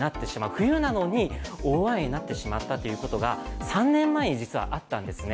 冬なのに大雨になってしまったということが３年前に実はあったんですね。